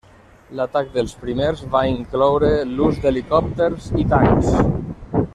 L'atac dels primers va incloure l'ús d'helicòpters i tancs.